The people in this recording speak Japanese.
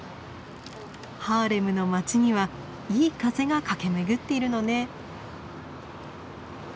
ハーレムの街にはいい風が駆け巡っているのね。